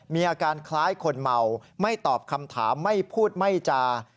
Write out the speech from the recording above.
มีอาการคล้ายคนเมาไม่ตอบคำถามไม่พูดไม่จา